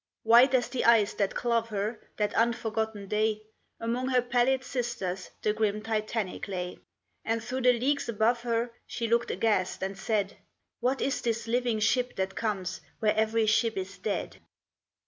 White as the ice that clove her That unforgotten day, Among her pallid sisters The grim Titanic lay. And through the leagues above her She looked aghast, and said: "What is this living ship that comes Where every ship is dead?"